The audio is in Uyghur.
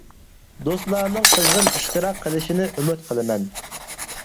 دوستلارنىڭ قىزغىن ئىشتىراك قىلىشىنى ئۈمىد قىلىمەن.